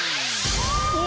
お！